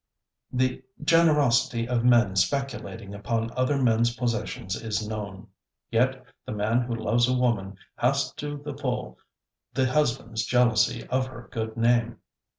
The generosity of men speculating upon other men's possessions is known. Yet the man who loves a woman has to the full the husband's jealousy of her good name.